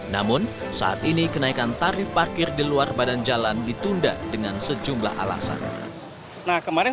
namun saat ini kenaikan tarif parkir di luar badan jalan ditunda dengan sejumlah alasan nah kemarin